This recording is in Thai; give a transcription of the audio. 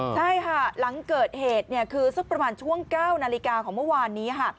ใช่ค่ะหลังเกิดเหตุเนี่ยคือสักประมาณช่วง๙นาฬิกาของเมื่อวานนี้ค่ะ